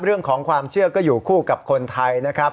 เรื่องของความเชื่อก็อยู่คู่กับคนไทยนะครับ